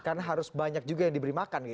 karena harus banyak juga yang diberi makan gitu